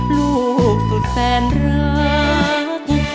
ลูกสุดแสนรัก